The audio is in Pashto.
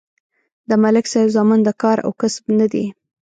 د ملک صاحب زامن د کار او کسب نه دي